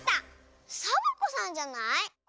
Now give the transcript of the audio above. サボ子さんじゃない？